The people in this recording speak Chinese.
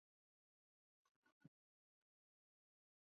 父朱克融。